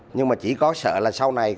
nhưng mà chỉ có sợ là sau này